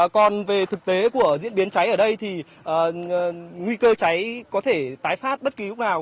còn về thực tế của diễn biến cháy ở đây thì nguy cơ cháy có thể tái phát bất cứ lúc nào